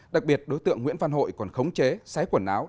đặc biệt đối tượng nguyễn văn hội còn khống chế xé quần áo